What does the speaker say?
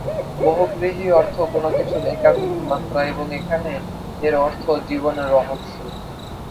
বহুব্রীহি অর্থ কোন কিছুর একাধিক মাত্রা এবং এখানে এর অর্থ জীবনের রহস্য।